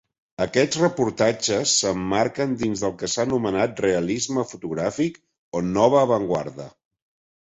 Aquests reportatges s'emmarquen dins del que s'ha anomenat realisme fotogràfic o nova avantguarda.